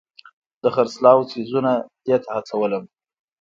د خرڅلاو څیزونه دې ته هڅولم.